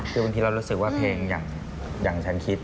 คือบางทีเรารู้สึกว่าเพลงอย่างฉันคิด